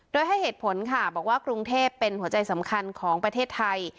โดยให้เหตุผลค่ะบอกว่ากรุงเทพเป็นหัวใจสำคัญของประเทศไทย